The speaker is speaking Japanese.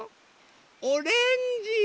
オレンジ。